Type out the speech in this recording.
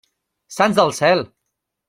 Sants del cel!